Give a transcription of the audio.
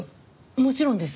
もちろんです！